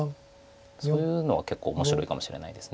そういうのは結構面白いかもしれないです。